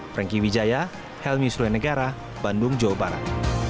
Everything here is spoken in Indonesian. franky wijaya helmi sule negara bandung jawa barat